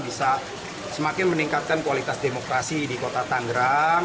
bisa semakin meningkatkan kualitas demokrasi di kota tangerang